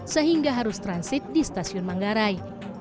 sehingga harus transit di stasiun manggarai